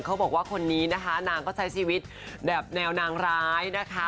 เขาบอกว่าคนนี้นะคะนางก็ใช้ชีวิตแบบแนวนางร้ายนะคะ